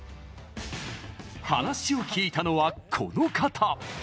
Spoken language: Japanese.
話を聞いたのは、この方。